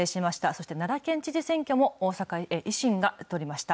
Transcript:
そして奈良県知事選挙も、維新が取りました。